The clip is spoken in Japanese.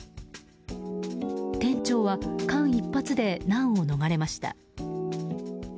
店長は間一髪で難を逃れました。